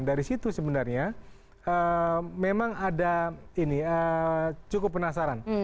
dari situ sebenarnya memang ada ini cukup penasaran